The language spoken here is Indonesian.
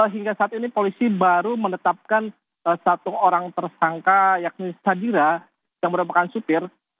hingga saat ini polisi baru menetapkan satu orang tersangka yakni sadira yang merupakan supir